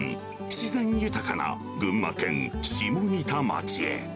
自然豊かな群馬県下仁田町へ。